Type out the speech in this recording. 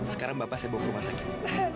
sekarang bapak saya bawa ke rumah sakit